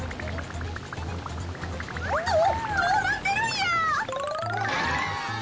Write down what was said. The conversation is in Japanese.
どどうなってるんや！